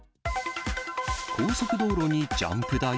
高速道路にジャンプ台？